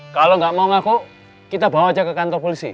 kalau nggak mau ngaku kita bawa aja ke kantor polisi